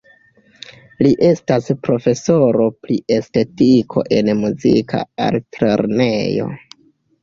Li estas profesoro pri estetiko en muzika altlernejo.